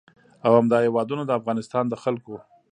او همدا هېوادونه د افغانستان د خلکو